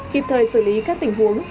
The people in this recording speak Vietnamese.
kịp thời xử lý các tình huống